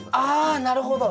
あなるほど。